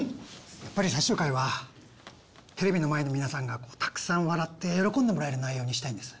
やっぱり最終回はテレビの前の皆さんがたくさん笑って喜んでもらえる内容にしたいです。